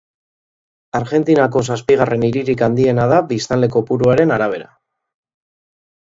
Argentinako zazpigarren hiririk handiena da biztanle kopuruaren arabera.